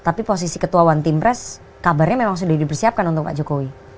tapi posisi ketua one team press kabarnya memang sudah dipersiapkan untuk pak jokowi